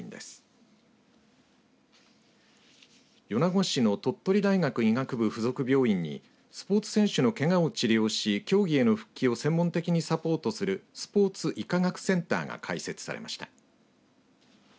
米子市の鳥取大学医学部附属病院にスポーツ選手のけがを治療し競技への復帰を専門的にサポートするスポーツ医科学センターが開設されました。